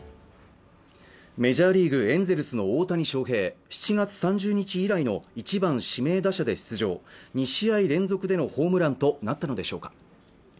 メジャーリーグエンゼルスの大谷翔平７月３０日以来の１番・指名打者で出場２試合連続でのホームランとなったのでしょうか